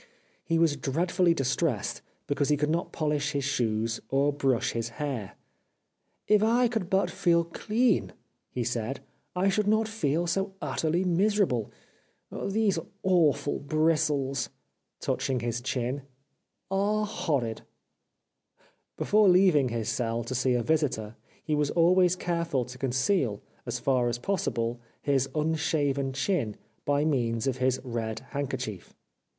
He was dreadfully distressed because he could not polish his shoes or brush his hair. '' If I could but feel clean," he said, ^' I should not feel so utterly miserable. These awful bristles "— touching his chin —^' are horrid." Before leav ing his cell to see a visitor he was always careful to conceal, as far as possible, his unshaven chin by means of his red handkerchief.